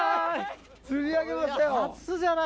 釣り上げましたよ。